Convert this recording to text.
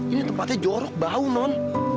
ini tempatnya jorok bau non